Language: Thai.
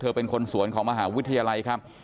เป็นคนสวนของมหาวิทยาลัยครับ